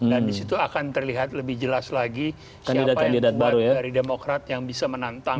dan di situ akan terlihat lebih jelas lagi siapa yang dari demokrat yang bisa menantang trump